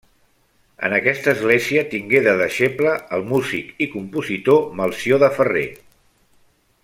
En aquesta església tingué de deixeble el músic i compositor Melcior de Ferrer.